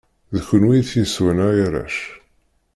D kunwi i t-yeswan ay arrac?